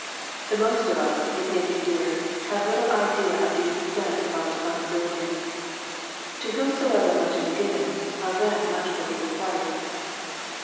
The most of us, it may be feared, have little idea of the extent of our respon sibility. To whomscever much is given, of them much will be required.